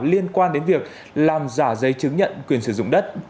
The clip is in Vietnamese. liên quan đến việc làm giả giấy chứng nhận quyền sử dụng đất